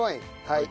はい。